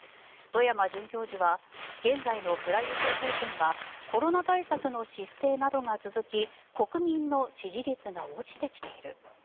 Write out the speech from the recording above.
外山准教授は現在のプラユット政権はコロナ対策の失政などが続き国民の支持率が落ちてきている。